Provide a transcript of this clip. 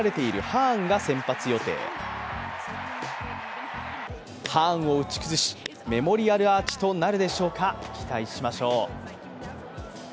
ハーンを打ち崩し、メモリアルアーチとなるでしょうか期待しましょう。